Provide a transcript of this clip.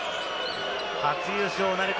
初優勝なるか？